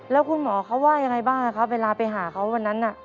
แล้วคุณหมอเขาว่ายังไงบ้างครับเวลาไปหาเขาวันนั้นน่ะ